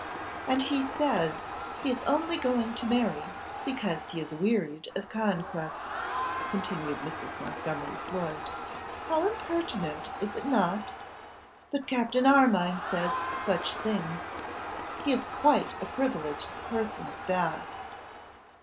'And he says, he is only going to marry because he is wearied of conquests,' continued Mrs. Montgomery Floyd; 'how impertinent, is it not? But Captain Armine says such things! He is quite a privileged person at Bath!